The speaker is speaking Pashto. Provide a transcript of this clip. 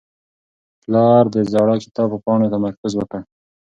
پلار د زاړه کتاب په پاڼو تمرکز وکړ.